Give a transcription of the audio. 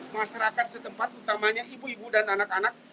masyarakat setempat utamanya ibu ibu dan anak anak